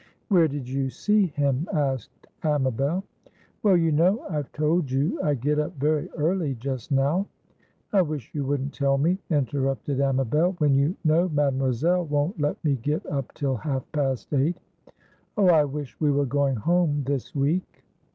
"Where did you see him?" asked Amabel. "Well, you know I've told you I get up very early just now?" "I wish you wouldn't tell me," interrupted Amabel, "when you know Mademoiselle won't let me get up till half past eight. Oh, I wish we were going home this week!"